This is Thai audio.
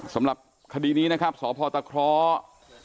สำหรับคดีนี้นะครับสพตะเคราะห์